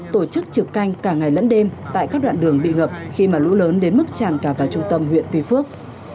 tổ chức trực canh cả ngày lẫn đêm tại các đoạn đường bị ngập khi mà lũ lớn đến mức tràn cả vào trung tâm huyện tuy phước